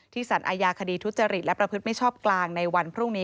สารอาญาคดีทุจริตและประพฤติไม่ชอบกลางในวันพรุ่งนี้